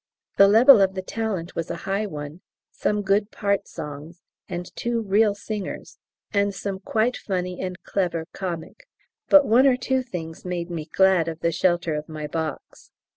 The level of the talent was a high one, some good part songs, and two real singers, and some quite funny and clever comic; but one or two things made me glad of the shelter of my box.